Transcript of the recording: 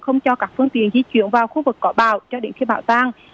không cho các phương tiện di chuyển vào khu vực cỏ bào cho địa phương bão tăng